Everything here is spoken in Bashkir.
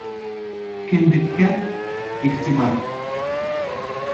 Кендеккә иғтибар